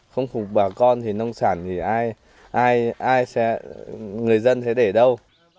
không phục vụ bà con thì nông sản thì ai sẽ người dân sẽ để đâu